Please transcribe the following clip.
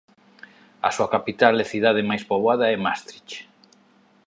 A súa capital e cidade máis poboada é Maastricht.